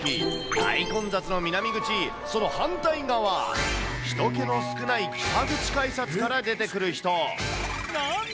大混雑の南口、その反対側、ひと気の少ない北口改札から出てくる人。